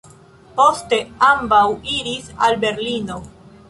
Poste ambaŭ iris al Berlino.